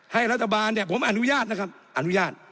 รัฐบาลเนี่ยผมอนุญาตนะครับอนุญาต